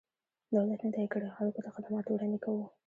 دولت نه دی کړی، خلکو ته خدمات وړاندې کوو.